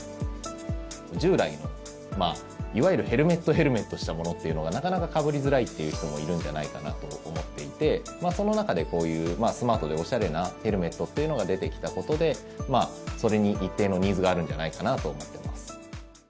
従来の、いわゆるヘルメットヘルメットしたものというのがなかなかかぶりづらいという人もいるんじゃないかなと思っていてその中でこういうスマートでおしゃれなヘルメットっていうのが出てきたことでそれに一定のニーズがあるんじゃないかなと思ってます。